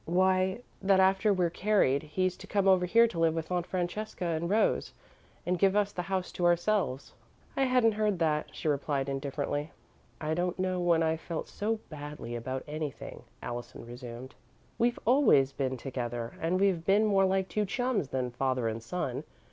"Why, that after we're carried, he's to come over here to live with Aunt Francesca and Rose, and give us the house to ourselves." "I hadn't heard," she replied, indifferently. "I don't know when I've felt so badly about anything," Allison resumed. "We've always been together and we've been more like two chums than father and son.